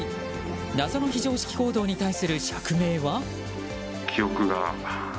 謎の非常識行動に対する釈明は？